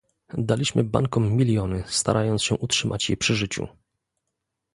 Daliśmy bankom miliony, starając się utrzymać je przy życiu